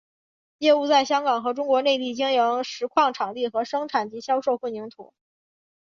业务在香港和中国内地经营石矿场地和生产及销售混凝土。